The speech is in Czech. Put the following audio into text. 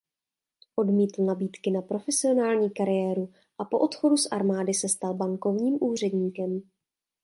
Odmítl nabídky na profesionální kariéru a po odchodu z armády se stal bankovním úředníkem.